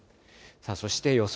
そして予想